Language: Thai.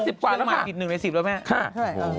ช่วงหมาติด๑ใน๑๐แล้วไหม